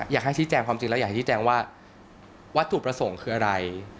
อยากให้ชี้แจงความจริงแล้วอยากชี้แจงว่าวัตถุประสงค์คืออะไร